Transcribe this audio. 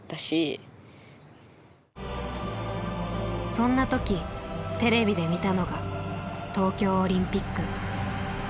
そんな時テレビで見たのが東京オリンピック。